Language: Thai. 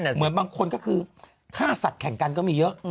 เหมือนบางคนก็คือฆ่าสัตว์แข่งกันก็มีเยอะ